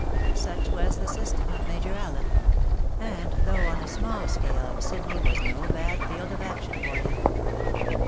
Such was the system of Major Allen ; and, though on a small scale, Sydney was no bad field of action for him.